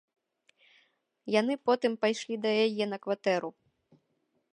Яны потым пайшлі да яе на кватэру.